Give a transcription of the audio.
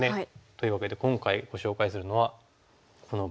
というわけで今回ご紹介するのはこのボウシという。